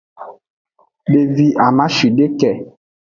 Devi amashideke.